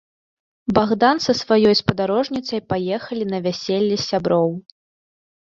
Багдан са сваёй спадарожніцай паехалі на вяселле сяброў.